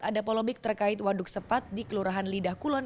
ada polomik terkait waduk sepat di kelurahan lidah kulon